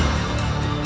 baiklah ayande prabu